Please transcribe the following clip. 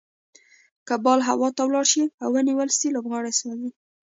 که بال هوا ته ولاړ سي او ونيول سي؛ لوبغاړی سوځي.